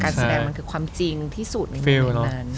การแสดงมันคือความจริงที่สุดในความจริงนั้น